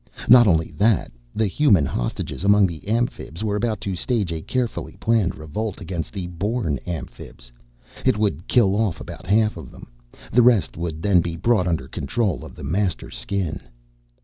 Not only that, the Human hostages among the Amphibs were about to stage a carefully planned revolt against the born Amphibs. It would kill off about half of them. The rest would then be brought under control of the Master Skin.